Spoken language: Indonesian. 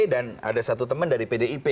dan ada satu teman dari pdip